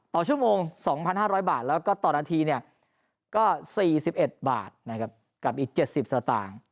ต่อชั่วโมง๒๕๐๐บาทแล้วก็ต่อนาทีก็๔๑บาทนะครับกับอีก๗๐สตางค์